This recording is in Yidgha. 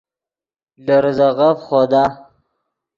لے ریزے غف خودا